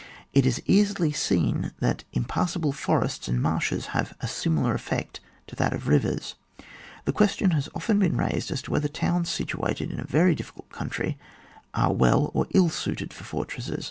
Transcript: It is easily seen that impassable forests and marshes have a similar effect to that of rivers. The question has been often raised as to whether towns situated in a very diffi cult country are well or ill suited for for tresses.